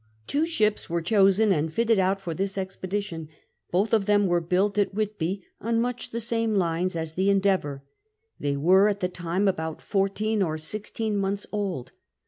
Two ships were chosen and fitted out for this expedi tion. Both of them were built at Whitby, on much the same lines as the Endeavour, They were at the time about fourteen or sixteen months old.